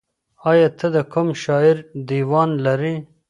ایا ته د کوم شاعر دیوان لرې؟